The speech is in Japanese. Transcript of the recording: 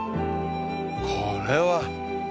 これは。